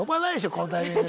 このタイミングで。